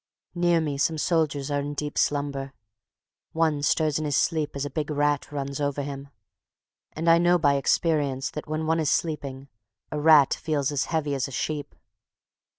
Near me some soldiers are in deep slumber; one stirs in his sleep as a big rat runs over him, and I know by experience that when one is sleeping a rat feels as heavy as a sheep.